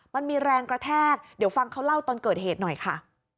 มันมีแรงกระแทกเดี๋ยวฟังเขาเล่าตอนเกิดเหตุหน่อยค่ะ